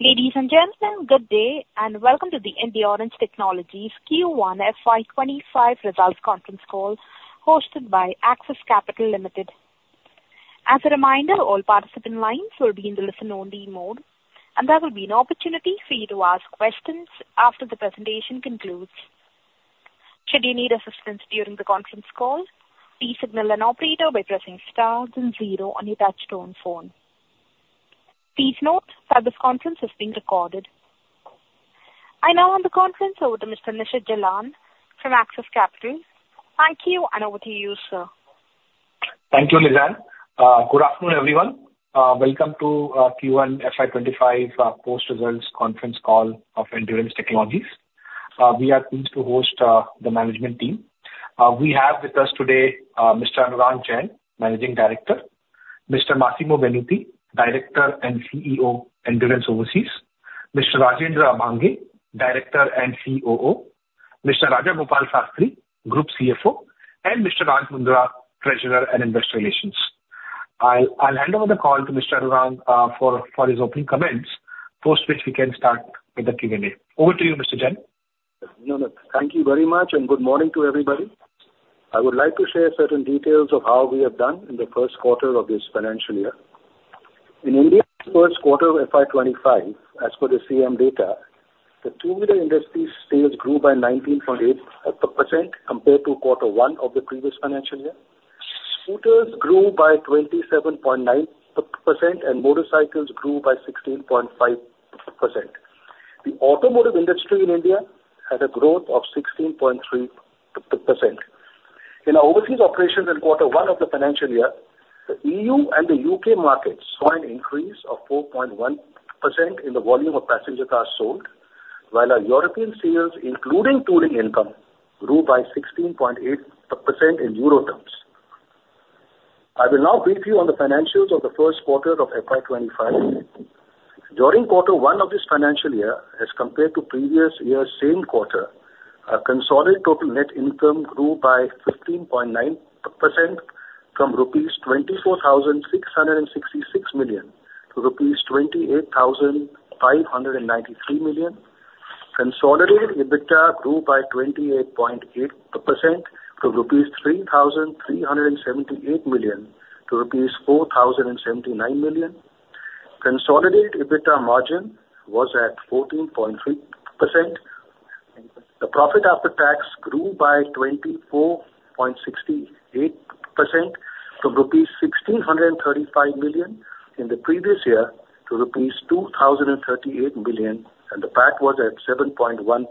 Ladies and gentlemen, good day, and welcome to the Endurance Technologies Q1 FY25 results conference call, hosted by Axis Capital Limited. As a reminder, all participant lines will be in the listen-only mode, and there will be an opportunity for you to ask questions after the presentation concludes. Should you need assistance during the conference call, please signal an operator by pressing star then zero on your touchtone phone. Please note that this conference is being recorded. I now hand the conference over to Mr. Nishit Jalan from Axis Capital. Thank you, and over to you, sir. Thank you, Lizan. Good afternoon, everyone. Welcome to Q1 FY25 post-results conference call of Endurance Technologies. We are pleased to host the management team. We have with us today Mr. Anurag Jain, Managing Director; Mr. Massimo Venuti, Director and CEO, Endurance Overseas; Mr. Rajendra Bhange, Director and COO; Mr. Raja Gopal Sastry, Group CFO; and Mr. Raj Mundra, Treasurer and Investor Relations. I'll, I'll hand over the call to Mr. Anurag for his opening comments, post which we can start with the Q&A. Over to you, Mr. Jain. No, no. Thank you very much, and good morning to everybody. I would like to share certain details of how we have done in the first quarter of this financial year. In India, first quarter of FY 2025, as per the SIAM data, the two-wheeler industry sales grew by 19.8% compared to quarter one of the previous financial year. Scooters grew by 27.9%, and motorcycles grew by 16.5%. The automotive industry in India had a growth of 16.3%. In our overseas operations in quarter one of the financial year, the EU and the UK markets saw an increase of 4.1% in the volume of passenger cars sold, while our European sales, including tooling income, grew by 16.8% in euro terms. I will now brief you on the financials of the first quarter of FY 2025. During quarter one of this financial year, as compared to previous year's same quarter, our consolidated total net income grew by 15.9% from rupees 24,666 million to rupees 28,593 million. Consolidated EBITDA grew by 28.8% to rupees 3,378 million to rupees 4,079 million. Consolidated EBITDA margin was at 14.3%. The profit after tax grew by 24.68% from rupees 1,635 million in the previous year to rupees 2,038 million, and the PAT was at 7.1%.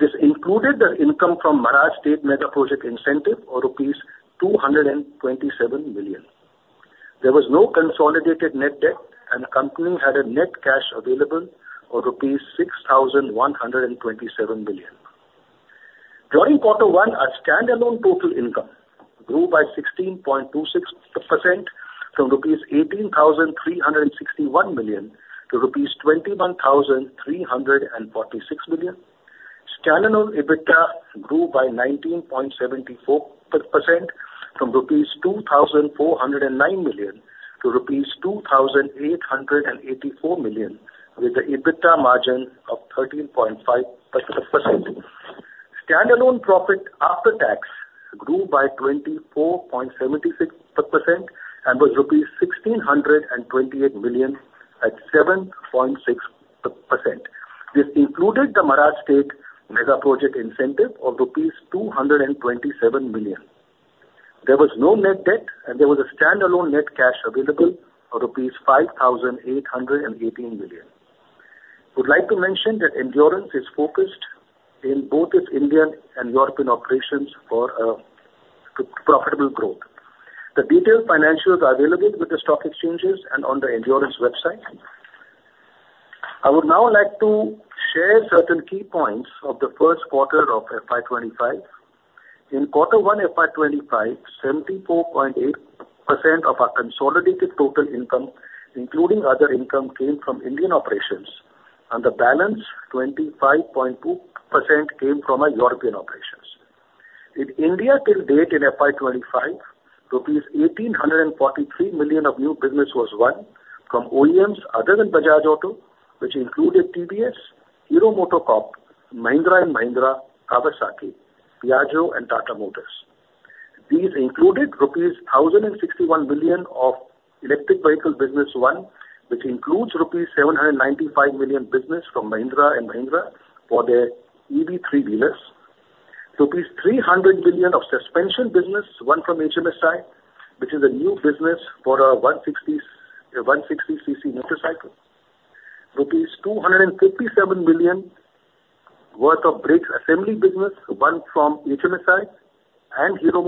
This included the income from Maharashtra State megaproject incentive, or rupees 227 million. There was no consolidated net debt, and the company had a net cash available of rupees 6,127 million. During quarter one, our standalone total income grew by 16.26% from rupees 18,361 million to rupees 21,346 million. Standalone EBITDA grew by 19.74% from rupees 2,409 million to rupees 2,884 million, with an EBITDA margin of 13.5%. Standalone profit after tax grew by 24.76% and was rupees 1,628 million at 7.6%. This included the Maharashtra State megaproject incentive of rupees 227 million. There was no net debt, and there was a standalone net cash available of rupees 5,818 million. Would like to mention that Endurance is focused in both its Indian and European operations for profitable growth. The detailed financials are available with the stock exchanges and on the Endurance website. I would now like to share certain key points of the first quarter of FY 2025. In quarter 1, FY 2025, 74.8% of our consolidated total income, including other income, came from Indian operations, and the balance, 25.2%, came from our European operations. In India, till date, in FY 2025, rupees 1,843 million of new business was won from OEMs other than Bajaj Auto, which included TVS, Hero MotoCorp, Mahindra & Mahindra, Kawasaki, Piaggio, and Tata Motors. These included rupees 1,061 million of electric vehicle business won, which includes rupees 795 million business from Mahindra & Mahindra for their EV three-wheelers; rupees 300 million of suspension business won from HMSI, which is a new business for our 160 cc motorcycle; rupees 257 million worth of brakes assembly business won from HMSI and Hero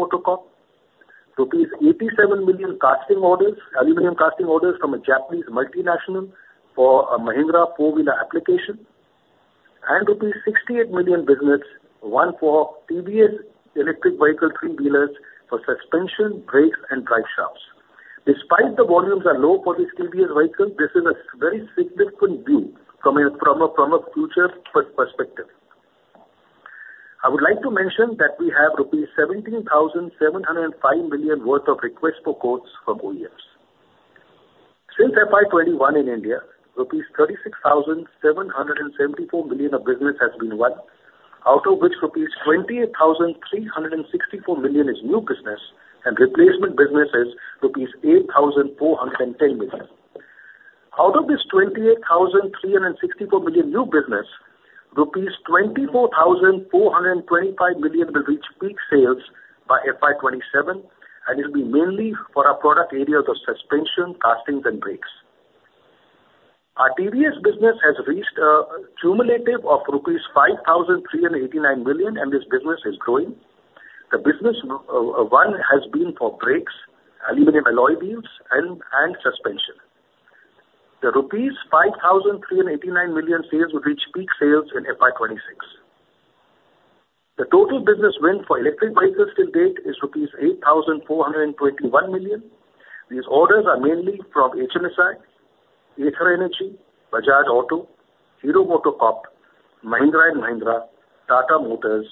MotoCorp; rupees 87 million casting orders, aluminum casting orders from a Japanese multinational for a Mahindra four-wheeler application; and rupees 68 million business won for TVS electric vehicle three-wheelers for suspension, brakes, and drive shafts. Despite the volumes are low for this TVS vehicle, this is a very significant view from a future perspective.... I would like to mention that we have rupees 17,705 million worth of requests for quotes for OEMs. Since FY 2021 in India, rupees 36,774 million of business has been won, out of which rupees 28,364 million is new business, and replacement business is rupees 8,410 million. Out of this 28,364 million new business, rupees 24,425 million will reach peak sales by FY 2027, and it'll be mainly for our product areas of suspension, castings and brakes. Our TVS business has reached cumulative of rupees 5,389 million, and this business is growing. The business won has been for brakes, aluminum alloy wheels, and suspension. The rupees 5,389 million sales will reach peak sales in FY 2026. The total business win for electric vehicles till date is rupees 8,421 million. These orders are mainly from HMSI, Ather Energy, Bajaj Auto, Hero MotoCorp, Mahindra & Mahindra, Tata Motors,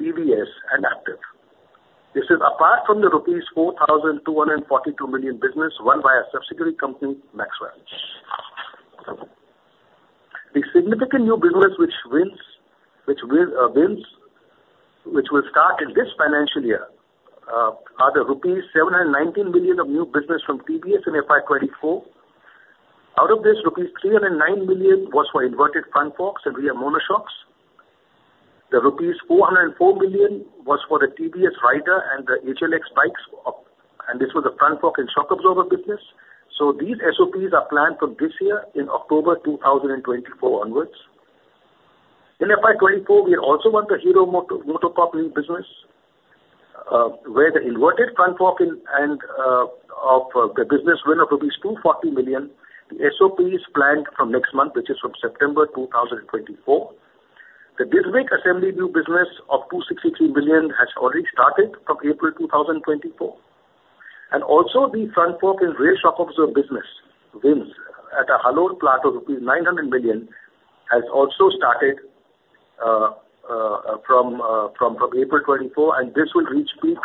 TVS and Ampere. This is apart from the rupees 4,242 million business won by our subsidiary company, Maxwell. The significant new business which wins, which will start in this financial year, are the rupees 719 million of new business from TVS in FY 2024. Out of this, rupees 309 million was for inverted front forks and rear monoshocks. The rupees 404 million was for the TVS Raider and the HLX bikes, and this was the front fork and shock absorber business. So these SOPs are planned for this year in October 2024 onwards. In FY 2024, we also won the Hero MotoCorp new business, where the inverted front fork and of the business win of 240 million. The SOP is planned from next month, which is from September 2024. The disc brake assembly new business of 263 million has already started from April 2024. And also, the front fork and rear shock absorber business wins at a Halol plant of rupees 900 million, has also started, from April 2024, and this will reach peak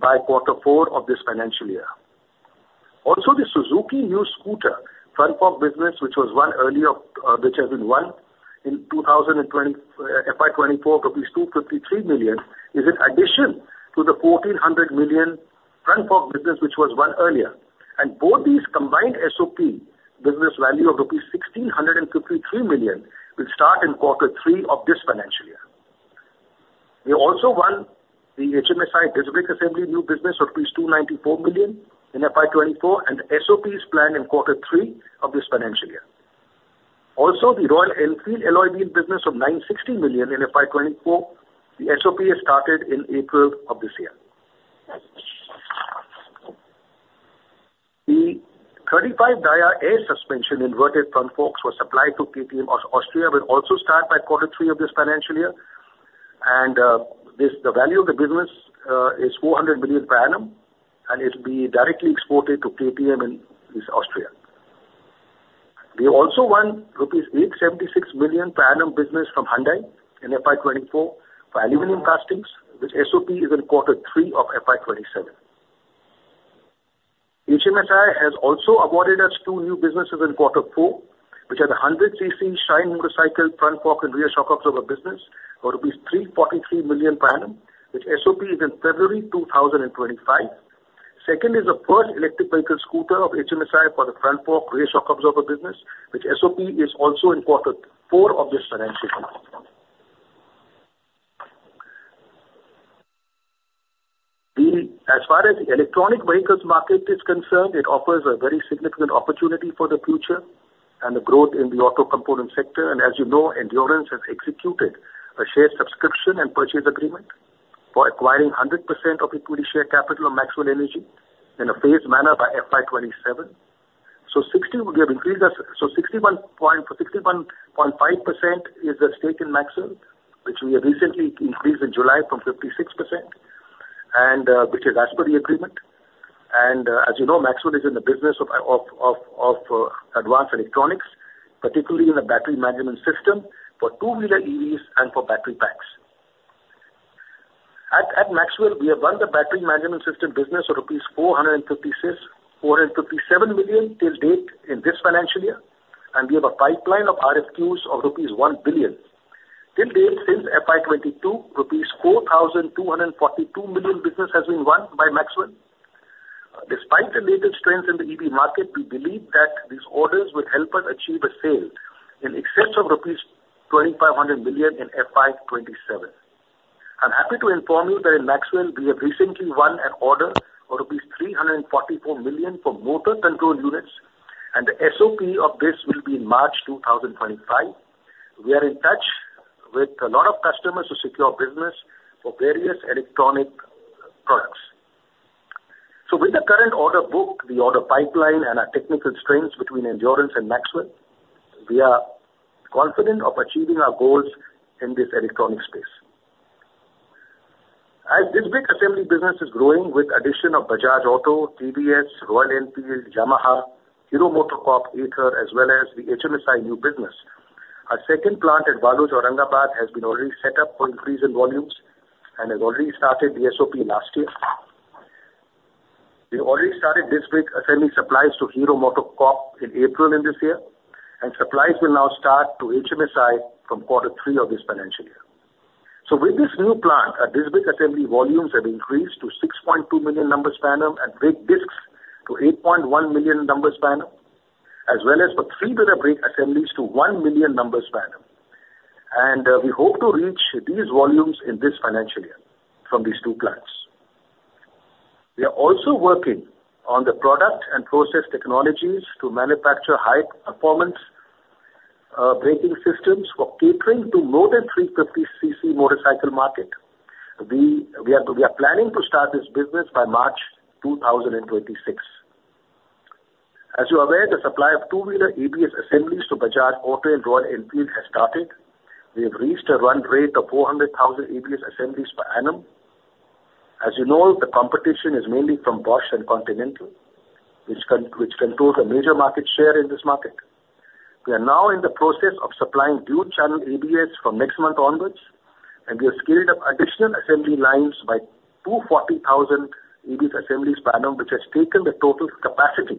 by quarter four of this financial year. Also, the Suzuki new scooter front fork business, which was won earlier, which has been won in 2020, FY 2024, 253 million, is in addition to the 1,400 million front fork business, which was won earlier. Both these combined SOP business value of rupees 1,653 million will start in quarter three of this financial year. We also won the HMSI disc brake assembly new business of 294 million in FY 2024, and the SOP is planned in quarter three of this financial year. Also, the Royal Enfield alloy wheel business of 960 million in FY 2024, the SOP has started in April of this year. The 35 dia air suspension inverted front forks for supply to KTM Austria will also start by quarter three of this financial year. This, the value of the business, is 400 million per annum, and it'll be directly exported to KTM in East Austria. We also won 876 million rupees per annum business from Hyundai in FY 2024 for aluminum castings, which SOP is in Q3 of FY 2027. HMSI has also awarded us two new businesses in Q4, which are the 100 cc Shine motorcycle front fork and rear shock absorber business for rupees 343 million per annum, which SOP is in February 2025. Second is the first electric vehicle scooter of HMSI for the front fork rear shock absorber business, which SOP is also in Q4 of this financial year. As far as the electric vehicles market is concerned, it offers a very significant opportunity for the future and the growth in the auto component sector. As you know, Endurance has executed a share subscription and purchase agreement for acquiring 100% of equity share capital of Maxwell Energy in a phased manner by FY 2027. So 60, we have increased our... So 61 point, 61.5% is the stake in Maxwell, which we have recently increased in July from 56%, and which is as per the agreement. And as you know, Maxwell is in the business of advanced electronics, particularly in the battery management system for two-wheeler EVs and for battery packs. At Maxwell, we have won the battery management system business of rupees 456, 457 million till date in this financial year, and we have a pipeline of RFQs of rupees 1 billion. Till date, since FY 2022, rupees 4,242 million business has been won by Maxwell. Despite the latest trends in the EV market, we believe that these orders will help us achieve a sale in excess of rupees 2,500 million in FY 2027. I'm happy to inform you that in Maxwell, we have recently won an order of INR 344 million for motor control units, and the SOP of this will be in March 2025. We are in touch with a lot of customers to secure business for various electronic products. So with the current order book, the order pipeline, and our technical strengths between Endurance and Maxwell, we are confident of achieving our goals in this electronic space. Our disc brake assembly business is growing with addition of Bajaj Auto, TVS, Royal Enfield, Yamaha, Hero MotoCorp, Ather, as well as the HMSI new business. Our second plant at Waluj, Aurangabad, has been already set up for increase in volumes and has already started the SOP last year. We already started disc brake assembly supplies to Hero MotoCorp in April in this year, and supplies will now start to HMSI from quarter three of this financial year. So with this new plant, our disc brake assembly volumes have increased to 6.2 million numbers per annum, and brake discs to 8.1 million numbers per annum, as well as four-wheeler brake assemblies to 1 million numbers per annum. And, we hope to reach these volumes in this financial year from these two plants. We are also working on the product and process technologies to manufacture high-performance braking systems for catering to more than 350 cc motorcycle market. We are planning to start this business by March 2026. As you are aware, the supply of two-wheeler ABS assemblies to Bajaj Auto and Royal Enfield has started. We have reached a run rate of 400,000 ABS assemblies per annum. As you know, the competition is mainly from Bosch and Continental, which controls a major market share in this market. We are now in the process of supplying dual channel ABS from next month onwards, and we have scaled up additional assembly lines by 240,000 ABS assemblies per annum, which has taken the total capacity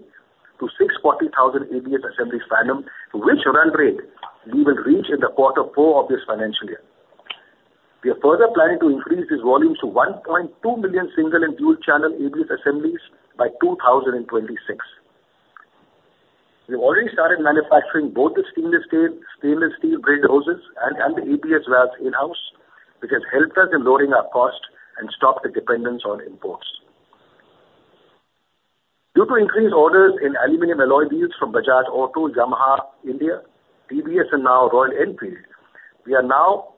to 640,000 ABS assemblies per annum, which run rate we will reach in the quarter four of this financial year. We are further planning to increase these volumes to 1.2 million single and dual channel ABS assemblies by 2026. We've already started manufacturing both the stainless steel brake hoses and the ABS valves in-house, which has helped us in lowering our cost and stop the dependence on imports. Due to increased orders in aluminum alloy wheels from Bajaj Auto, Yamaha India, TVS, and now Royal Enfield, we are now,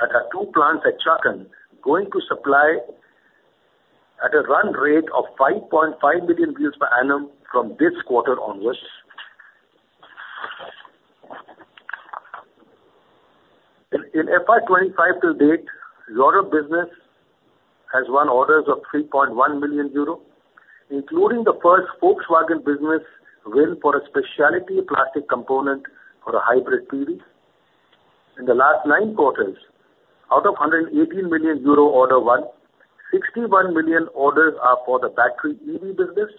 at our two plants at Chakan, going to supply at a run rate of 5.5 million wheels per annum from this quarter onwards. In FY 2025 to date, Europe business has won orders of 3.1 million euro, including the first Volkswagen business win for a specialty plastic component for a hybrid PV. In the last nine quarters, out of 118 million euro order won, 61 million orders are for the battery EV business,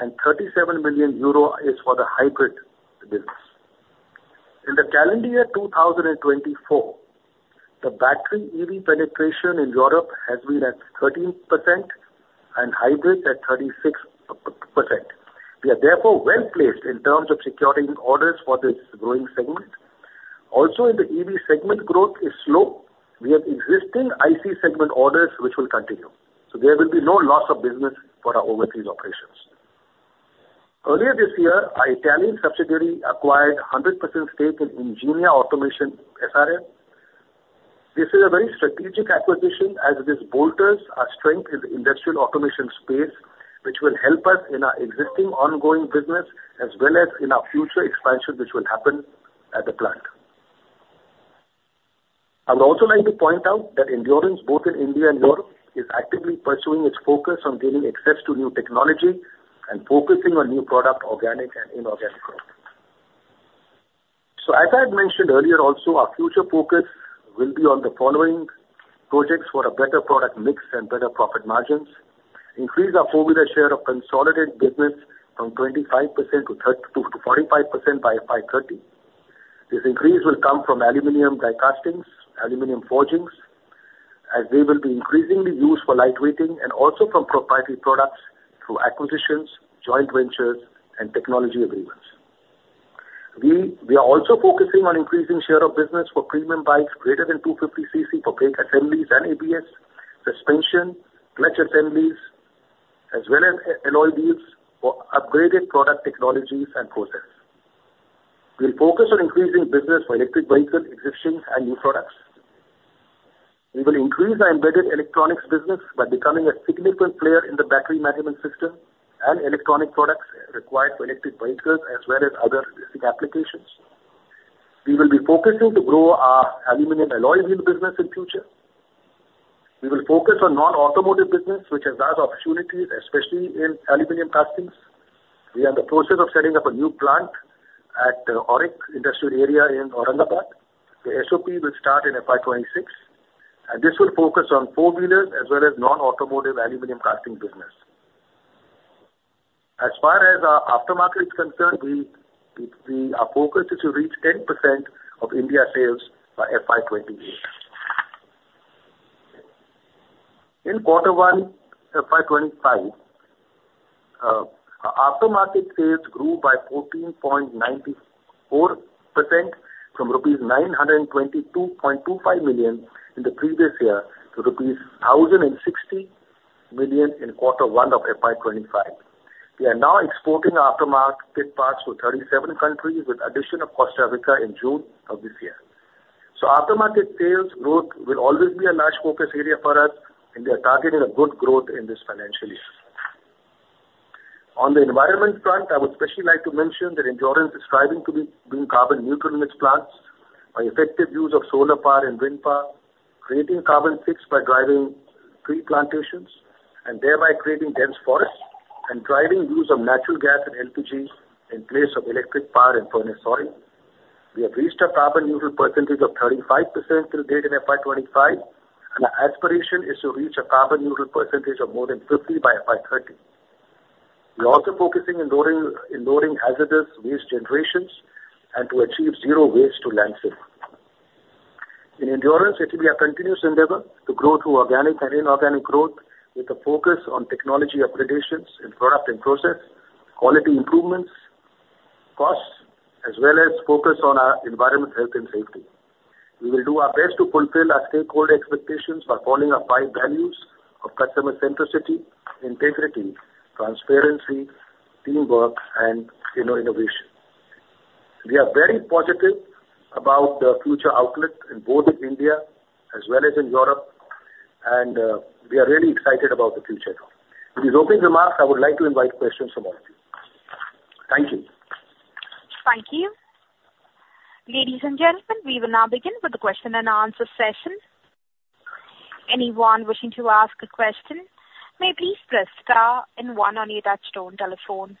and 37 million euro is for the hybrid business. In the calendar year 2024, the battery EV penetration in Europe has been at 13% and hybrid at 36%. We are therefore well placed in terms of securing orders for this growing segment. Also, in the EV segment, growth is slow. We have existing IC segment orders, which will continue, so there will be no loss of business for our overseas operations. Earlier this year, our Italian subsidiary acquired a 100% stake in Ingenia Automation S.r.l. This is a very strategic acquisition as it bolsters our strength in the industrial automation space, which will help us in our existing ongoing business as well as in our future expansion, which will happen at the plant. I'd also like to point out that Endurance, both in India and Europe, is actively pursuing its focus on gaining access to new technology and focusing on new product, organic and inorganic growth. So as I had mentioned earlier also, our future focus will be on the following projects for a better product mix and better profit margins. Increase our four-wheeler share of consolidated business from 25% to 30%-45% by FY 2030. This increase will come from aluminum die castings, aluminum forgings, as they will be increasingly used for lightweighting and also from proprietary products through acquisitions, joint ventures, and technology agreements. We are also focusing on increasing share of business for premium bikes greater than 250 cc for brake assemblies and ABS, suspension, clutch assemblies, as well as alloy wheels for upgraded product technologies and process. We'll focus on increasing business for electric vehicle, existing and new products. We will increase our embedded electronics business by becoming a significant player in the battery management system and electronic products required for electric vehicles, as well as other basic applications. We will be focusing to grow our aluminum alloy wheel business in future. We will focus on non-automotive business, which has large opportunities, especially in aluminum castings. We are in the process of setting up a new plant at AURIC Industrial Area in Aurangabad. The SOP will start in FY 2026, and this will focus on four-wheelers as well as non-automotive aluminum casting business. As far as our aftermarket is concerned, we, our focus is to reach 10% of India sales by FY 2028. In quarter one, FY 2025, our aftermarket sales grew by 14.94% from rupees 922.25 million in the previous year to rupees 1,060 million in quarter one of FY 2025. We are now exporting aftermarket parts to 37 countries, with addition of Costa Rica in June of this year. So aftermarket sales growth will always be a large focus area for us, and we are targeting a good growth in this financial year. On the environment front, I would especially like to mention that Endurance is striving to be carbon neutral in its plants by effective use of solar power and wind power, creating carbon sinks by driving tree plantations, and thereby creating dense forests, and driving use of natural gas and LPGs in place of electric power and furnace oil. We have reached a carbon neutral percentage of 35% till date in FY 2025, and our aspiration is to reach a carbon neutral percentage of more than 50 by FY 2030. We are also focusing on lowering hazardous waste generations and to achieve zero waste to landfill. In Endurance, it will be our continuous endeavor to grow through organic and inorganic growth, with a focus on technology upgradations in product and process, quality improvements, costs, as well as focus on our environment, health and safety. We will do our best to fulfill our stakeholder expectations by following our five values of customer centricity, integrity, transparency, teamwork, and, you know, innovation. We are very positive about the future outlook in both India as well as in Europe, and we are really excited about the future now. With these opening remarks, I would like to invite questions from all of you. Thank you. Thank you. Ladies and gentlemen, we will now begin with the question and answer session. Anyone wishing to ask a question may please press star and one on your touchtone telephone.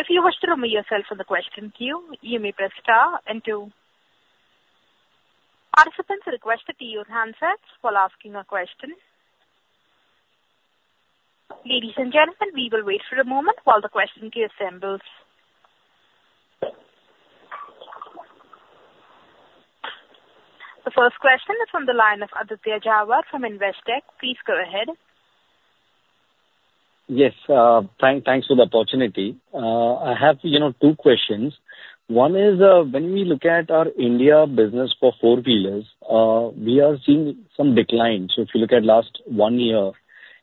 If you wish to remove yourself from the question queue, you may press star and two. Participants are requested to use handsets while asking a question. Ladies and gentlemen, we will wait for a moment while the question queue assembles. The first question is on the line of Aditya Jhawar from Investec. Please go ahead. Yes, thanks for the opportunity. I have, you know, 2 questions. One is, when we look at our India business for four-wheelers, we are seeing some decline. So if you look at last 1 year,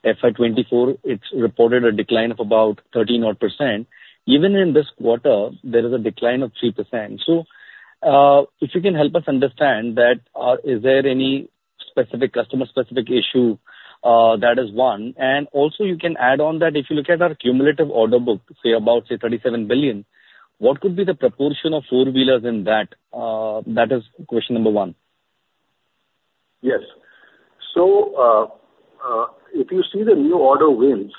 FY 2024, it's reported a decline of about 13 odd%. Even in this quarter, there is a decline of 3%. So, if you can help us understand that, is there any specific, customer-specific issue? That is one. And also you can add on that, if you look at our cumulative order book, say about, say, 37 billion, what could be the proportion of four-wheelers in that? That is question number one. Yes. So, if you see the new order wins,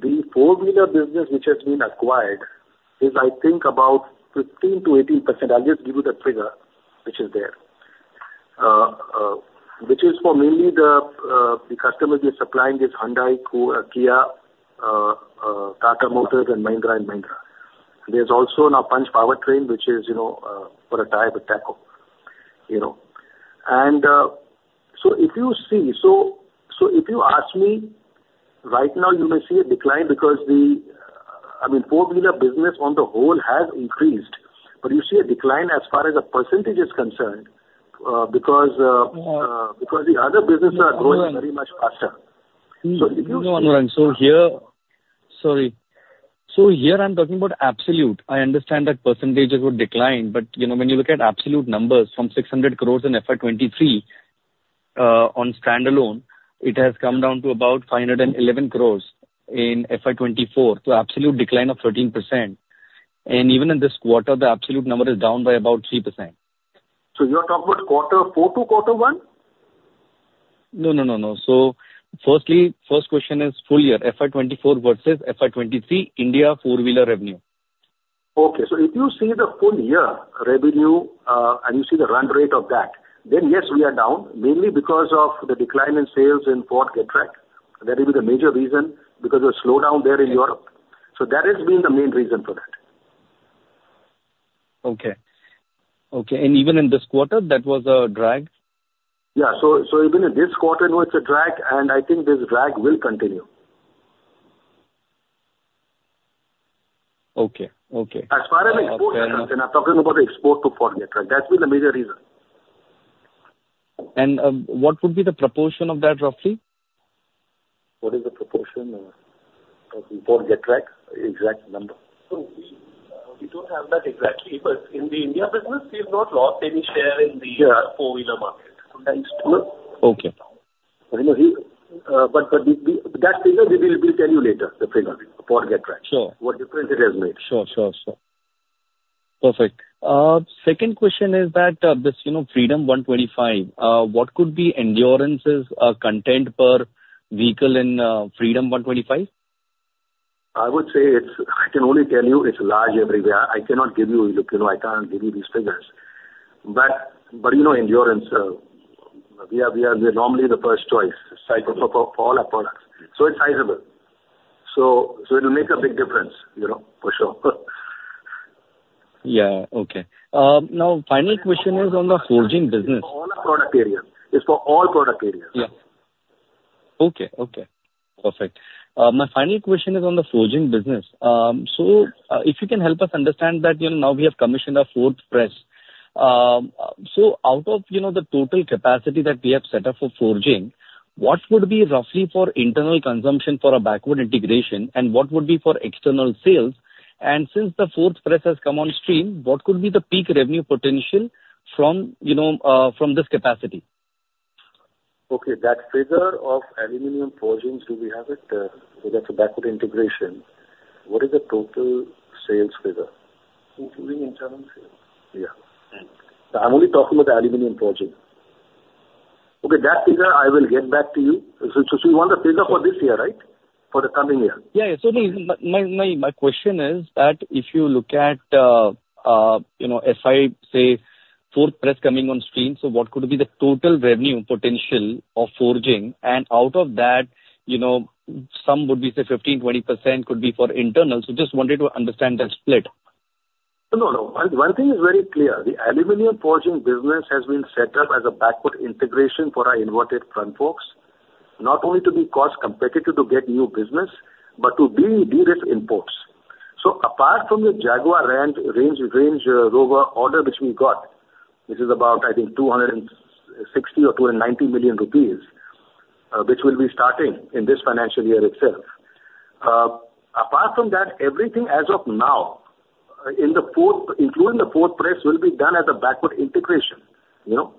the four-wheeler business which has been acquired is, I think, about 15%-18%. I'll just give you the figure which is there. Which is for mainly the customers we are supplying is Hyundai, Kia, Tata Motors and Mahindra and Mahindra. There's also now Punch Powertrain, which is, you know, for a tie-up with TACO, you know. And, so if you see... So, so if you ask me, right now you may see a decline because the, I mean, four-wheeler business on the whole has increased, but you see a decline as far as the percentage is concerned, because, because the other businesses are growing very much faster. So here I'm talking about absolute. I understand that percentages would decline, but, you know, when you look at absolute numbers from 600 crores in FY 2023, on standalone, it has come down to about 511 crores in FY 2024, so absolute decline of 13%. And even in this quarter, the absolute number is down by about 3%. You are talking about quarter four to quarter one? No, no, no, no. So firstly, first question is full year, FY 2024 versus FY 2023, India four-wheeler revenue. Okay. So if you see the full year revenue, and you see the run rate of that, then yes, we are down, mainly because of the decline in sales in Ford Getrag. That will be the major reason, because of the slowdown there in Europe. So that has been the main reason for that. Okay. Okay, and even in this quarter, that was a drag? Yeah. So, so even in this quarter, it was a drag, and I think this drag will continue. Okay. Okay. As far as I'm concerned, I'm talking about the export to Ford Getrag. That's been the major reason. What would be the proportion of that, roughly? What is the proportion of Ford Getrag? Exact number. So we, we don't have that exactly, but in the India business, we've not lost any share in the four-wheeler market. So thanks to the- Okay. But that figure, we will tell you later, the figure for Getrag. Sure. What difference it has made. Sure, sure, sure. Perfect. Second question is that, this, you know, Freedom 125, what could be Endurance's content per vehicle in Freedom 125? I would say it's... I can only tell you it's large everywhere. I cannot give you, look, you know, I can't give you these figures. But, but you know, Endurance, we are, we are normally the first choice, cycle for, for all our products, so it's sizable. So, so it'll make a big difference, you know, for sure. Yeah. Okay. Now, final question is on the forging business. All our product areas. It's for all product areas. Yeah. Okay. Okay, perfect. My final question is on the forging business. So, if you can help us understand that, you know, now we have commissioned our fourth press. So out of, you know, the total capacity that we have set up for forging, what would be roughly for internal consumption for a backward integration, and what would be for external sales? And since the fourth press has come on stream, what could be the peak revenue potential from, you know, from this capacity? ... Okay, that figure of aluminum forgings, do we have it? So that's a backward integration. What is the total sales figure? Including internal sales. Yeah. I'm only talking about the aluminum forging. Okay, that figure I will get back to you. So, so you want a figure for this year, right? For the coming year. Yeah, yeah. So my question is that if you look at, you know, if I say fourth press coming on stream, so what could be the total revenue potential of forging, and out of that, you know, some would be, say, 15%-20% could be for internal. So just wanted to understand that split. No, no. One thing is very clear: the aluminum forging business has been set up as a backward integration for our inverted front forks, not only to be cost competitive to get new business, but to de-risk imports. So apart from the Jaguar Land Rover order which we got, which is about, I think, 260 million rupees or 290 million rupees, which will be starting in this financial year itself. Apart from that, everything as of now in the fourth, including the fourth press, will be done as a backward integration, you know,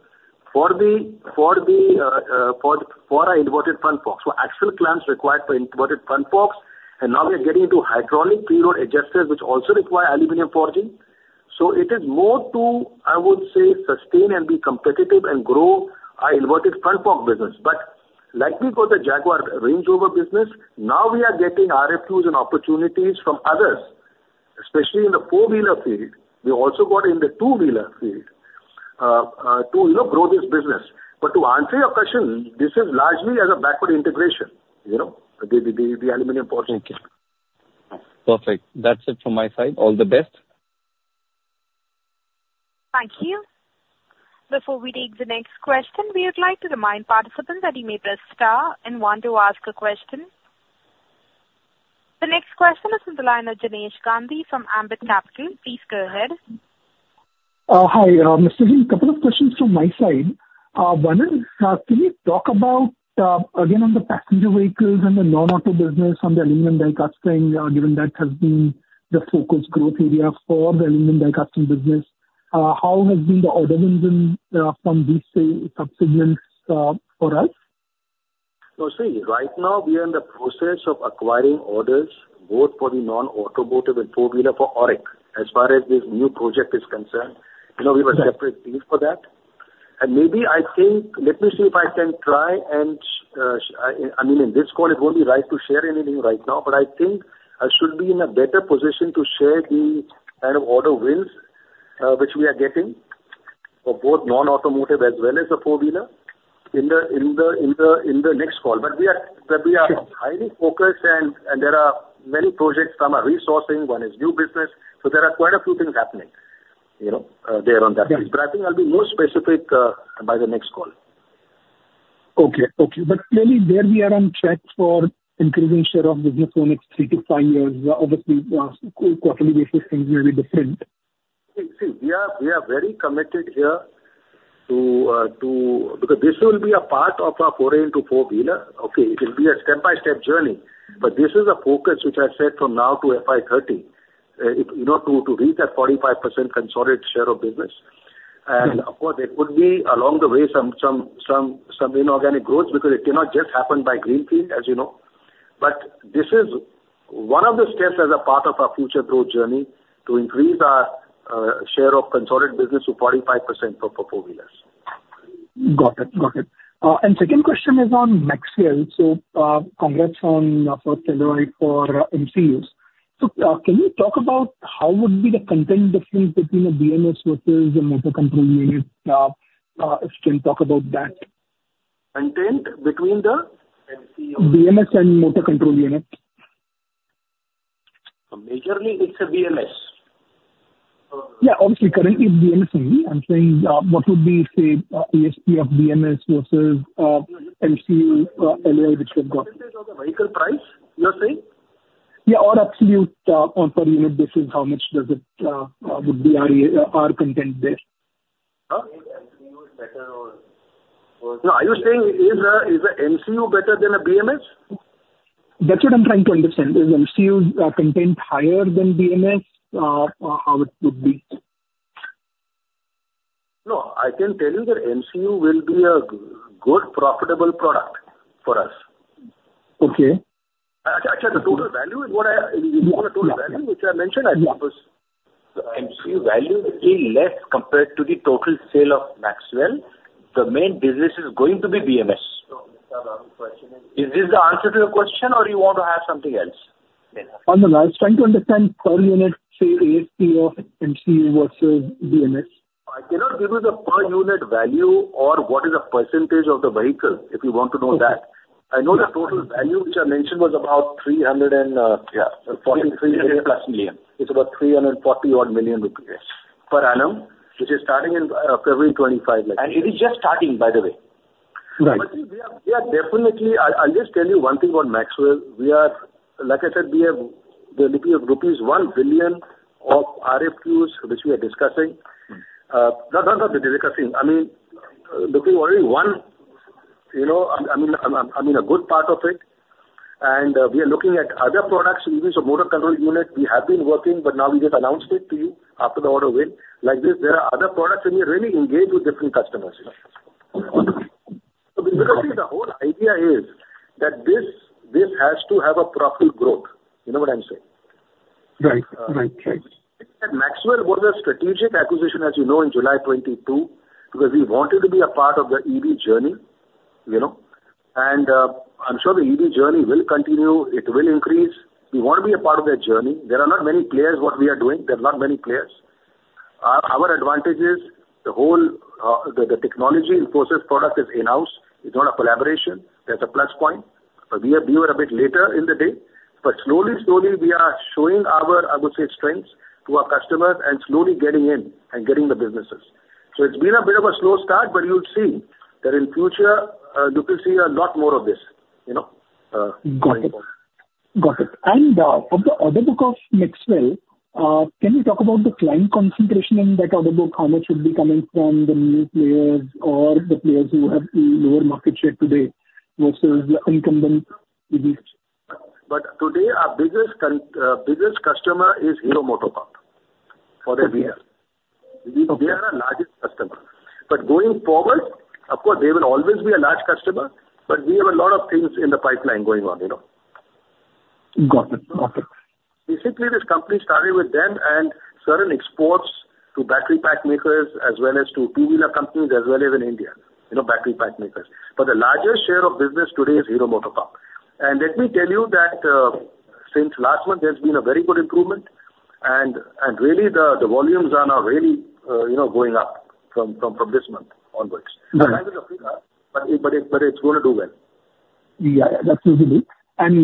for our inverted front forks. So actual plans required for inverted front forks, and now we are getting into hydraulic preload adjusters, which also require aluminum forging. So it is more to, I would say, sustain and be competitive and grow our inverted front forks business. But like we got the Jaguar Land Rover business, now we are getting RFQs and opportunities from others, especially in the four-wheeler field. We also got in the two-wheeler field to, you know, grow this business. But to answer your question, this is largely as a backward integration, you know, the aluminum forging. Okay. Perfect. That's it from my side. All the best. Thank you. Before we take the next question, we would like to remind participants that you may press star and one to ask a question. The next question is from the line of Jinesh Gandhi from Ambit Capital. Please go ahead. Hi, Mr. Jain. A couple of questions from my side. One is, can you talk about, again, on the passenger vehicles and the non-auto business on the aluminum die casting, given that has been the focus growth area for the aluminum die casting business, how has been the order win, from these same subsystems, for us? So, see, right now we are in the process of acquiring orders, both for the non-automotive and four-wheeler for AURIC, as far as this new project is concerned. You know, we have a separate team for that. And maybe I think, let me see if I can try and, I mean, in this call, it won't be right to share anything right now, but I think I should be in a better position to share the kind of order wins which we are getting for both non-automotive as well as the four-wheeler in the next call. But we are- But we are highly focused, and there are many projects. Some are resourcing, one is new business. So there are quite a few things happening, you know, there on that front. I think I'll be more specific by the next call. Okay. Okay. But clearly there we are on track for increasing share of business for next 3-5 years. Obviously, on a quarterly basis, things may be different. We are very committed here to... Because this will be a part of our foray into four-wheeler. Okay, it will be a step-by-step journey, but this is a focus which I set from now to FY 2030, you know, to reach that 45% consolidated share of business. Of course, there could be, along the way, some inorganic growth, because it cannot just happen by greenfield, as you know. But this is one of the steps as a part of our future growth journey to increase our share of consolidated business to 45% for four-wheelers. Got it. Got it. Second question is on Maxwell. Congrats on for in CEOs. Can you talk about how would be the content difference between a BMS versus a motor control unit? If you can talk about that. Content between the MCU? BMS and motor control unit. Majorly, it's a BMS. Yeah, obviously, currently it's BMS only. I'm saying, what would be, say, ASP of BMS versus, MCU, LA, which you've got? Percentage of the vehicle price, you are saying? Yeah, or absolute or per unit basis, how much would be our content there? Huh? MCU is better or- No, are you saying an MCU is better than a BMS? That's what I'm trying to understand. Is MCU content higher than BMS, how it would be? No, I can tell you that MCU will be a good, profitable product for us. Okay. Actually, the total value is what I... If you want a total value, which I mentioned, I think, was- The MCU value will be less compared to the total sale of Maxwell. The main business is going to be BMS. Is this the answer to your question, or you want to ask something else? No, no, I was trying to understand per unit, say, ASP of MCU versus BMS. I cannot give you the per unit value or what is the percentage of the vehicle, if you want to know that. Okay. I know the total value, which I mentioned, was about 343+ million. It's about 340-odd million rupees. Per annum, which is starting in February 2025. It is just starting, by the way. We are definitely. I'll just tell you one thing on Maxwell. We are, like I said, we have rupees 1 billion of RFQs, which we are discussing. Not discussing, I mean, looking at only one, you know, I mean, I mean, a good part of it. We are looking at other products, even the motor control unit, we have been working, but now we just announced it to you after the order win. Like this, there are other products and we are really engaged with different customers. So basically, the whole idea is that this has to have a profitable growth. You know what I'm saying? Right. Right, right. Maxwell was a strategic acquisition, as you know, in July 2022, because we wanted to be a part of the EV journey, you know? And, I'm sure the EV journey will continue, it will increase. We want to be a part of that journey. There are not many players what we are doing, there are not many players. Our advantage is the whole, the technology and process product is in-house. It's not a collaboration, that's a plus point. But we are, we were a bit later in the day, but slowly, slowly, we are showing our, I would say, strengths to our customers and slowly getting in and getting the businesses. So it's been a bit of a slow start, but you'll see that in future, you could see a lot more of this, you know, Got it. Got it. And, on the order book of Maxwell, can you talk about the client concentration in that order book? How much would be coming from the new players or the players who have lower market share today versus the incumbent EVs? But today, our biggest customer is Hero MotoCorp, for the year. Okay. They are our largest customer. Going forward, of course, they will always be a large customer, but we have a lot of things in the pipeline going on, you know? Got it. Got it. Basically, this company started with them and certain exports to battery pack makers, as well as to two-wheeler companies as well as in India, you know, battery pack makers. But the largest share of business today is Hero MotoCorp. And let me tell you that, since last month, there's been a very good improvement, and really the volumes are now really, you know, going up from this month onwards. But it's gonna do well. Yeah, that's really it.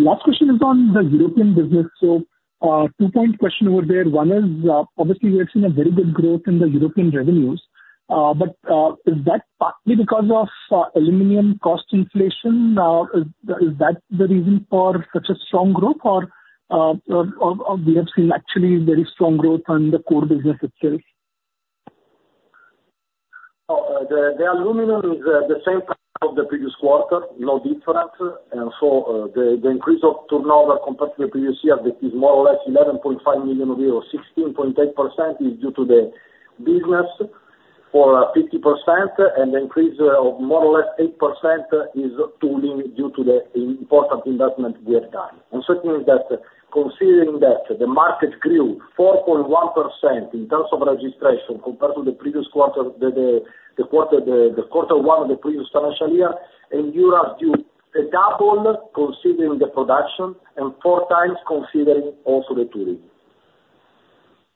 Last question is on the European business. Two-part question over there. One is, obviously, we have seen a very good growth in the European revenues, but is that partly because of aluminum cost inflation? Is that the reason for such a strong growth? Or we have seen actually very strong growth on the core business itself. Oh, the aluminum is the same price of the previous quarter, no different. And so, the increase of turnover compared to the previous year, that is more or less 11.5 million euros, 16.8%, is due to the business for 50%, and the increase of more or less 8% is tooling, due to the important investment we have done. And certainly that, considering that the market grew 4.1% in terms of registration compared to the previous quarter, quarter one of the previous financial year, in Europe, you double considering the production and four times considering also the tooling.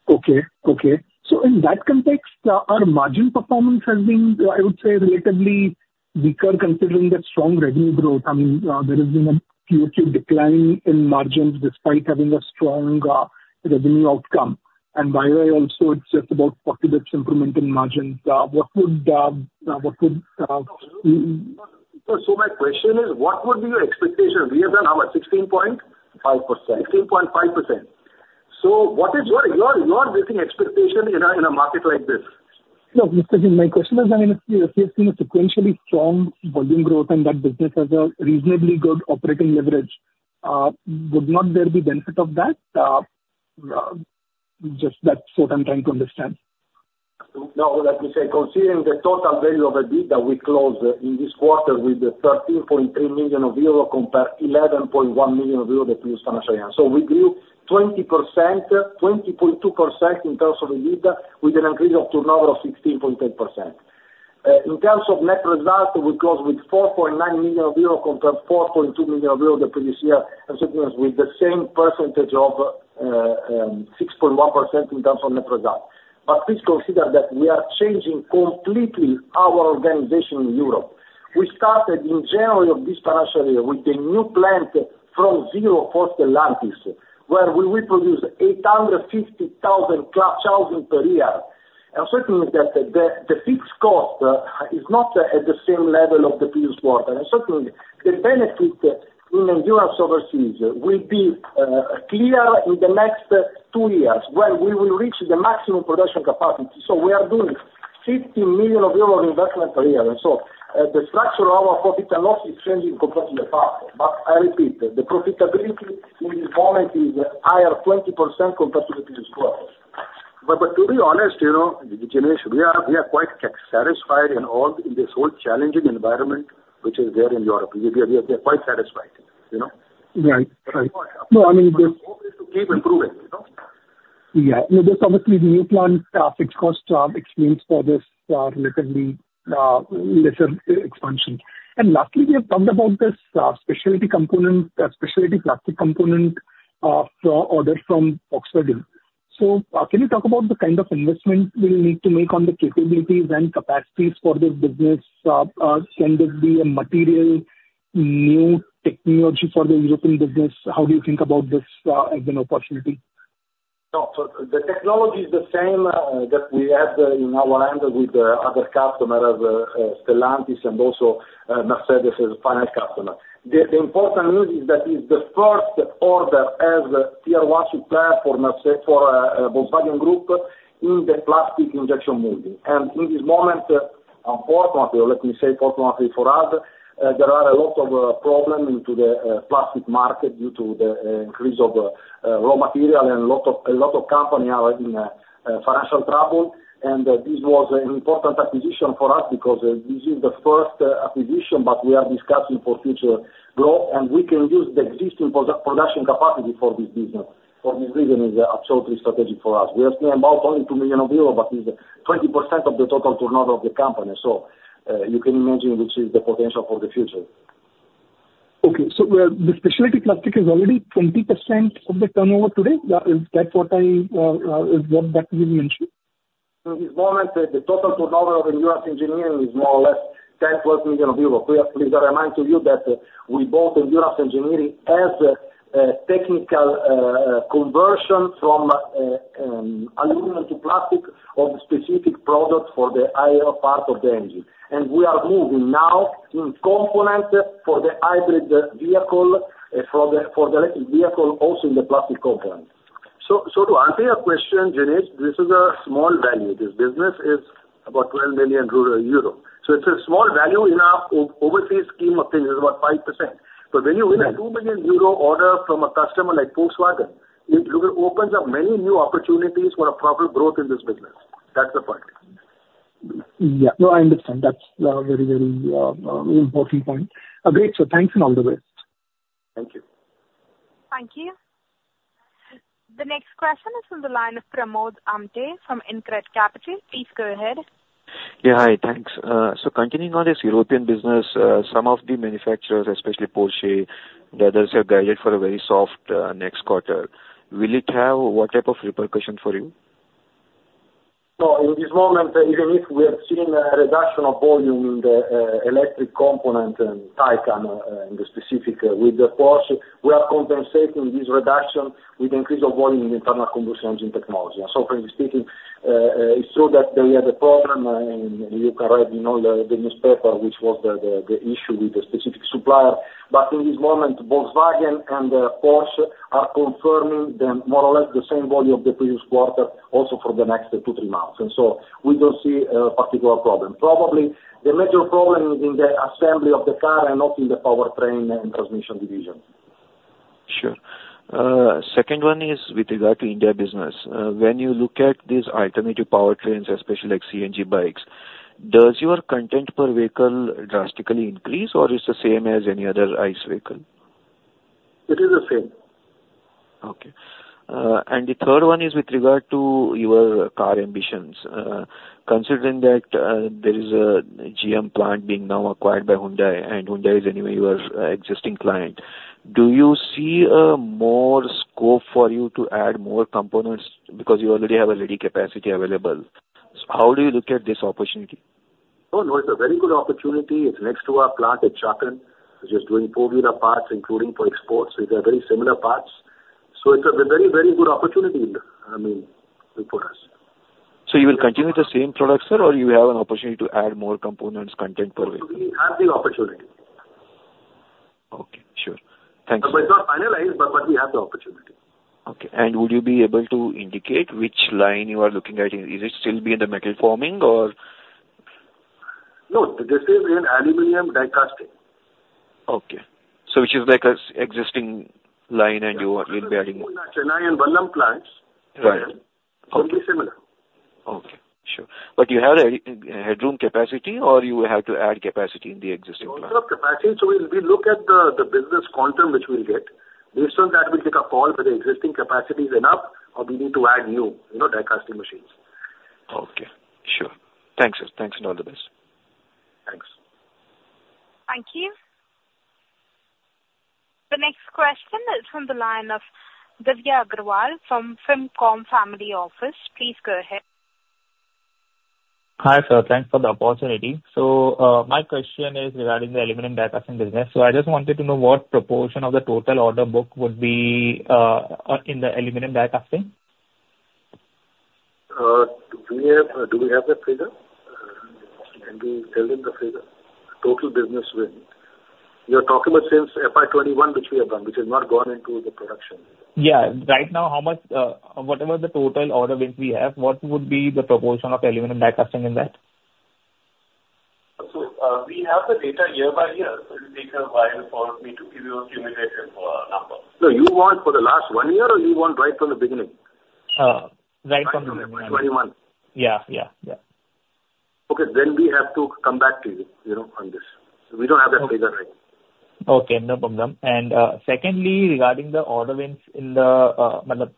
Okay. Okay. So in that context, our margin performance has been, I would say, relatively weaker, considering that strong revenue growth. I mean, there has been a Q2 decline in margins despite having a strong revenue outcome. And YoY also, it's just about 40 basis points improvement in margins. What would, what would, My question is, what would be your expectation? We have done now a 16-point? Five percent. 16.5%. So what is your briefing expectation in a market like this? No, Mr. Jain, my question is, I mean, you have seen a sequentially strong volume growth in that business as a reasonably good operating leverage. Would not there be benefit of that? Just that's what I'm trying to understand. No, let me say, considering the total value of the deal that we closed in this quarter with 13.3 million euro compared 11.1 million euro the previous financial year. So we grew 20%, 20.2% in terms of the lead, with an increase of turnover of 16.8%. In terms of net results, we closed with 4.9 million euro compared to 4.2 million euro the previous year, and certainly with the same percentage of 6.1% in terms of net result. But please consider that we are changing completely our organization in Europe. We started in January of this financial year with a new plant from zero for Stellantis, where we will produce 850,000 thousand per year. And certainly the fixed cost is not at the same level of the previous quarter. And certainly, the benefit in Europe overseas will be clear in the next two years, when we will reach the maximum production capacity. So we are doing 50 million euro investment per year, and so, the structure of our profit and loss is changing completely apart. But I repeat, the profitability in this moment is 20% higher compared to the previous quarter. But to be honest, you know, Jinesh, we are quite satisfied in all... in this whole challenging environment, which is there in Europe. We are quite satisfied, you know? Right. Right. No, I mean, but- To keep improving, you know? Yeah. There's obviously new plant fixed cost expense for this relatively lesser expansion. And lastly, we have talked about this specialty component, specialty plastic component, for order from Volkswagen. So, can you talk about the kind of investment we'll need to make on the capabilities and capacities for this business? Can this be a material new technology for the European business? How do you think about this as an opportunity? No, so the technology is the same, that we have in our hand with the other customer as, Stellantis and also, Mercedes as a final customer. The important news is that it's the first order as a tier one supplier for Volkswagen Group in the plastic injection molding. And in this moment, fortunately, or let me say fortunately for us, there are a lot of, problem into the, plastic market due to the, increase of, raw material and lot of, a lot of company are in, financial trouble. And, this was an important acquisition for us because, this is the first acquisition that we are discussing for future growth, and we can use the existing production capacity for this business. For this reason, is absolutely strategic for us. We are talking about only 2 million euros, but is 20% of the total turnover of the company, so, you can imagine which is the potential for the future. Okay. So where the specialty plastic is already 20% of the turnover today, that, is that what I, is what that you mentioned? At this moment, the total turnover of Endurance Engineering is more or less 10-12 million euros. We are. Please remind to you that we bought Endurance Engineering as a technical conversion from aluminum to plastic of specific products for the higher part of the engine. And we are moving now in components for the hybrid vehicle, for the vehicle, also in the plastic component. To answer your question, Jinesh, this is a small value. This business is about 12 million euro. So it's a small value in our overseas scheme of things, it's about 5%. But when you win a 2 million euro order from a customer like Volkswagen, it opens up many new opportunities for a proper growth in this business. That's the point. Yeah. No, I understand. That's a very, very, important point. Agree, sir. Thanks and all the best. Thank you. Thank you. The next question is from the line of Pramod Amthe from InCred Capital. Please go ahead. Yeah, hi, thanks. So continuing on this European business, some of the manufacturers, especially Porsche, the others, have guided for a very soft next quarter. Will it have what type of repercussion for you? No, in this moment, even if we have seen a reduction of volume in the electric component and Taycan, in the specific with the Porsche, we are compensating this reduction with increase of volume in internal combustion engine technology. So frankly speaking, it's true that they had a problem, and you can read in all the newspaper, which was the issue with the specific supplier. But in this moment, Volkswagen and Porsche are confirming more or less the same volume of the previous quarter, also for the next two, three months. And so we don't see a particular problem. Probably, the major problem is in the assembly of the car and not in the powertrain and transmission division. Sure. Second one is with regard to India business. When you look at these alternative powertrains, especially like CNG bikes, does your content per vehicle drastically increase, or it's the same as any other ICE vehicle? It is the same. Okay. And the third one is with regard to your car ambitions. Considering that there is a GM plant being now acquired by Hyundai, and Hyundai is anyway your existing client, do you see a more scope for you to add more components because you already have a ready capacity available? So how do you look at this opportunity? Oh, no, it's a very good opportunity. It's next to our plant at Chakan, which is doing four-wheeler parts, including for exports. So they are very similar parts. So it's a very, very good opportunity, I mean, for us. You will continue with the same products, sir, or you have an opportunity to add more components content for it? We have the opportunity. Okay, sure. Thank you. It's not finalized, but we have the opportunity. Okay. Would you be able to indicate which line you are looking at? Is it still in the metal forming or? No, this is in aluminum die casting. Okay. So which is like a existing line and you are adding-... Chennai and Vallam plants. Right. Will be similar. Okay, sure. But you have any headroom capacity or you have to add capacity in the existing plant? Capacity. So we look at the business quantum which we'll get. Based on that, we'll take a call whether the existing capacity is enough or we need to add new, you know, die casting machines. Okay, sure. Thanks, sir. Thanks and all the best. Thanks. Thank you. The next question is from the line of Divay Agarwal from Fincom Family Office. Please go ahead. Hi, sir. Thanks for the opportunity. So, my question is regarding the aluminum die casting business. So I just wanted to know what proportion of the total order book would be in the aluminum die casting? Do we have that figure? Can we tell him the figure, total business win? You're talking about since FY 2021, which we have done, which has not gone into the production. Yeah. Right now, how much, what about the total order which we have, what would be the proportion of aluminum die casting in that? So, we have the data year by year, so it'll take a while for me to give you a cumulative number. No, you want for the last one year, or you want right from the beginning? Right from the beginning. Twenty one. Yeah, yeah, yeah. Okay, then we have to come back to you, you know, on this. We don't have that figure right now. Okay, no problem. And, secondly, regarding the new order wins in the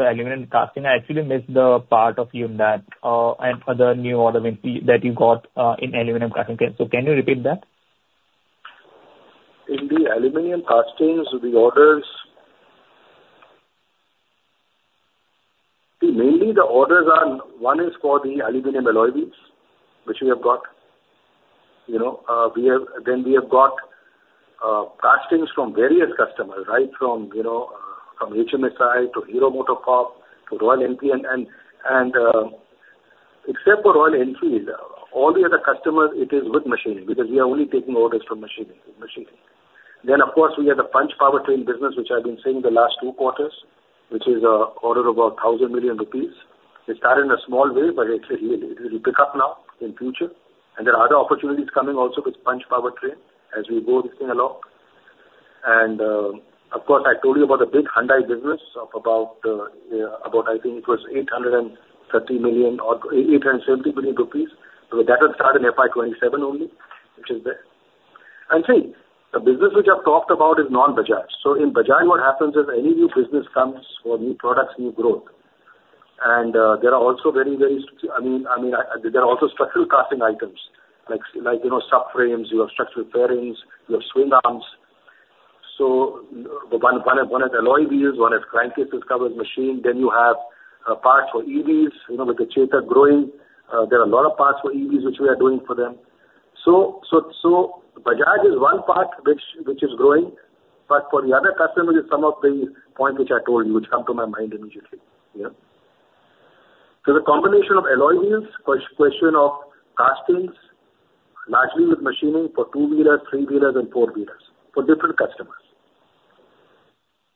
aluminum casting, I actually missed the part of you on that, and other new order wins that you got in aluminum casting. So can you repeat that? In the aluminum castings, the orders... See, mainly the orders are, one is for the aluminum alloy wheels, which we have got. You know, we have. Then we have got, castings from various customers, right? From, you know, from HMSI to Hero MotoCorp, to Royal Enfield. And, except for Royal Enfield, all the other customers, it is with machining, because we are only taking orders from machining.... Then, of course, we have the Punch Powertrain business, which I've been saying the last two quarters, which is, order about 1,000 million rupees. It started in a small way, but it, it, it will pick up now in future. And there are other opportunities coming also with Punch Powertrain as we go this thing along. Of course, I told you about the big Hyundai business of about, I think it was 830 million or 870 billion rupees. So that will start in FY 2027 only, which is there. And three, the business which I've talked about is non-Bajaj. So in Bajaj, what happens is, any new business comes or new products, new growth, and there are also very, very—I mean, there are also structural casting items, like, you know, subframes, you have structural fairings, you have swing arms. So one, one, one has alloy wheels, one has crankcase covered machine, then you have parts for EVs. You know, with the Chetak growing, there are a lot of parts for EVs which we are doing for them. So Bajaj is one part which is growing, but for the other customers, some of the points which I told you, which come to my mind immediately, yeah? So the combination of alloy wheels, question of castings, largely with machining for two-wheeler, three-wheelers and four-wheelers for different customers.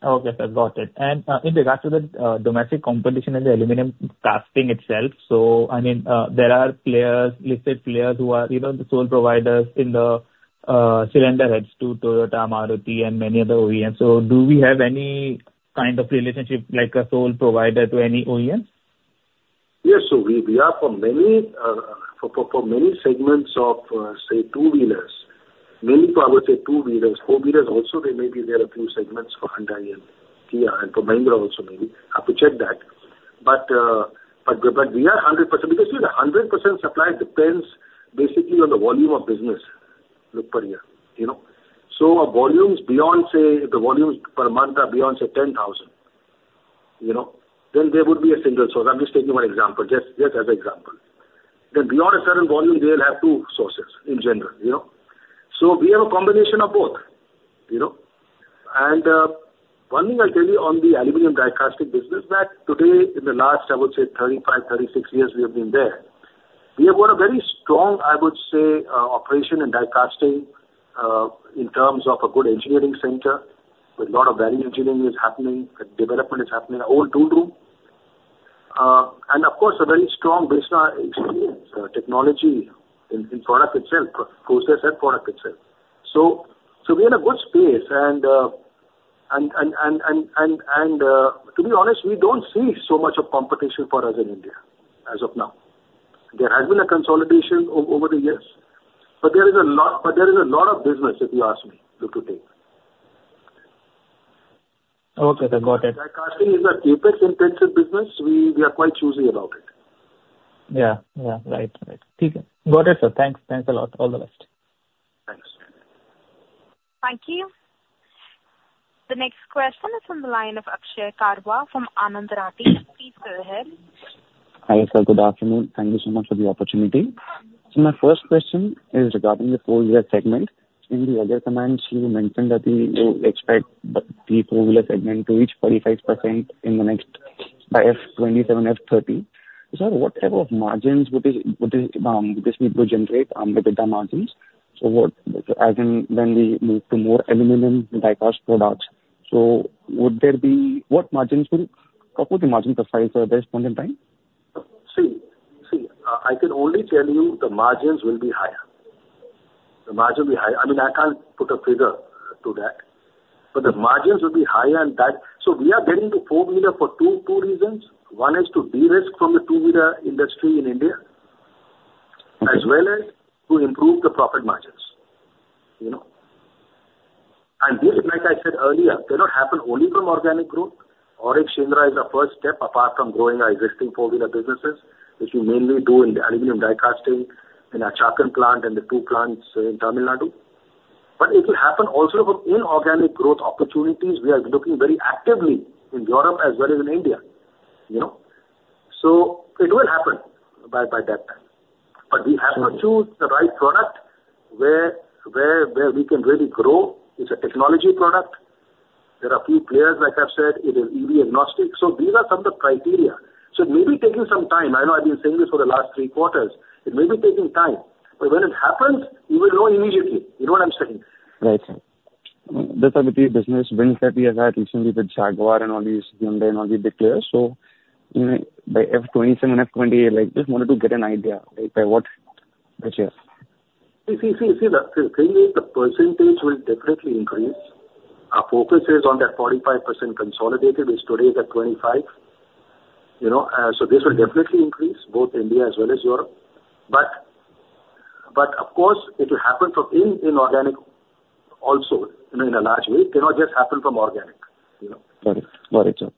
Okay, sir. Got it. And, in regards to the domestic competition and the aluminum casting itself, so I mean, there are players, listed players who are, you know, the sole providers in the cylinder heads to Toyota, Maruti, and many other OEMs. So do we have any kind of relationship like a sole provider to any OEMs? Yes. So we are for many segments of, say, two-wheelers, mainly for, I would say, two-wheelers. Four-wheelers also, there are a few segments for Honda and Kia and for Mahindra also, maybe. I have to check that. But we are 100% because, see, the 100% supply depends basically on the volume of business, look per year, you know. So our volumes beyond, say, the volumes per month are beyond, say, 10,000, you know, then there would be a single source. I'm just taking one example, just as an example. Then beyond a certain volume, they'll have two sources, in general, you know? So we have a combination of both, you know. One thing I'll tell you on the aluminum die casting business, that today, in the last, I would say 35, 36 years we have been there, we have got a very strong, I would say, operation in die casting, in terms of a good engineering center, with a lot of value engineering is happening and development is happening, our own tool room. And of course, a very strong business experience, technology in product itself, process and product itself. So, we're in a good space and, to be honest, we don't see so much of competition for us in India as of now. There has been a consolidation over the years, but there is a lot, but there is a lot of business, if you ask me, look today. Okay, sir. Got it. Die casting is a CapEx-intensive business. We are quite choosy about it. Yeah, yeah. Right. Right. Got it, sir. Thanks. Thanks a lot. All the best. Thanks. Thank you. The next question is from the line of Akshay Karwa from Anand Rathi. Please go ahead. Hi, sir. Good afternoon. Thank you so much for the opportunity. So my first question is regarding the four-wheeler segment. In the earlier comments, you mentioned that you expect the four-wheeler segment to reach 45% in the next, by FY 2027, FY 2030. So what type of margins would this need to generate under the margins? So what... As in when we move to more aluminum die cast products, so would there be-- What margins will, what would the margin profile for this point in time? See, I can only tell you the margins will be higher. The margin will be higher. I mean, I can't put a figure to that, but the margins will be higher and that... So we are getting to four-wheeler for two reasons: One is to de-risk from the two-wheeler industry in India, as well as to improve the profit margins, you know. And this, like I said earlier, cannot happen only from organic growth. AURIC India is a first step apart from growing our existing four-wheeler businesses, which we mainly do in the aluminum die casting, in our Chakan plant and the two plants in Tamil Nadu. But it will happen also from inorganic growth opportunities. We are looking very actively in Europe as well as in India, you know. So it will happen by that time. But we have to choose the right product where we can really grow. It's a technology product. There are few players, like I've said, it is EV agnostic. So these are some of the criteria. So it may be taking some time. I know I've been saying this for the last three quarters. It may be taking time, but when it happens, you will know immediately. You know what I'm saying? Right, sir. There are a few business wins that we have had recently with Jaguar and all these Hyundai and all the big players. So, you know, by FY 2027, FY 2028, I just wanted to get an idea, like, by what, which year? See, the thing is, the percentage will definitely increase. Our focus is on that 45% consolidated, which today is at 25%, you know, so this will definitely increase both India as well as Europe. But, of course, it will happen from inorganic also, in a large way. It cannot just happen from organic, you know? Got it. Got it, sir.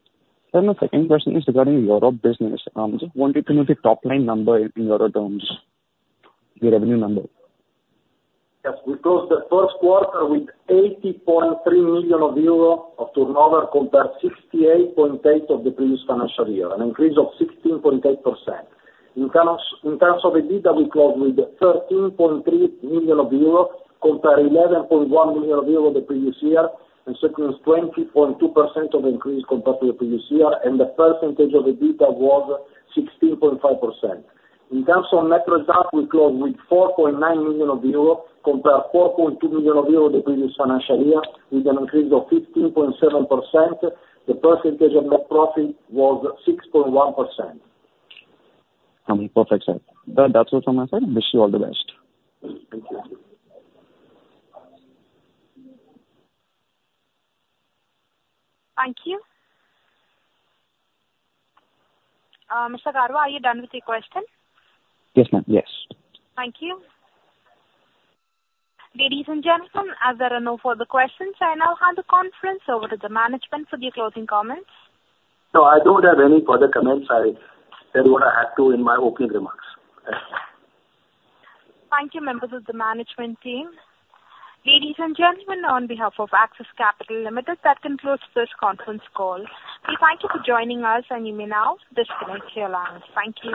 Then the second question is regarding Europe business. Want you to know the top-line number in euro terms, the revenue number? Yes, we closed the first quarter with 80.3 million of euro of turnover, compared 68.8 of the previous financial year, an increase of 16.8%. In terms of EBITDA, we closed with 13.3 million of euro, compared 11.1 million of euro the previous year, and sequential 20.2% of increase compared to the previous year, and the percentage of EBITDA was 16.5%. In terms of net result, we closed with 4.9 million of euro, compared to 4.2 million of euro the previous financial year, with an increase of 15.7%. The percentage of net profit was 6.1%. Perfect, sir. That's all from my side. Wish you all the best. Thank you. Thank you. Mr. Karwa, are you done with your questions? Yes, ma'am. Yes. Thank you. Ladies and gentlemen, as there are no further questions, I now hand the conference over to the management for their closing comments. I don't have any further comments. I said what I had to in my opening remarks. Thanks. Thank you, members of the management team. Ladies and gentlemen, on behalf of Axis Capital Limited, that concludes this conference call. We thank you for joining us, and you may now disconnect your lines. Thank you.